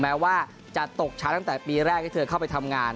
แม้ว่าจะตกชั้นตั้งแต่ปีแรกที่เธอเข้าไปทำงาน